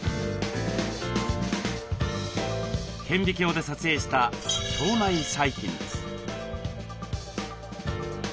顕微鏡で撮影した腸内細菌です。